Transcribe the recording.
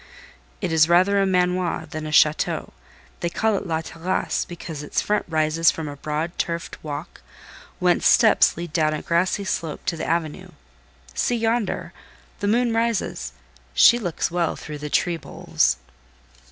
It is rather a manoir than a château; they call it 'La Terrasse,' because its front rises from a broad turfed walk, whence steps lead down a grassy slope to the avenue. See yonder! The moon rises: she looks well through the tree boles."